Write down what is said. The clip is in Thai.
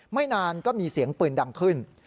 ไม่นานก็มีเสียงปืนดังขึ้น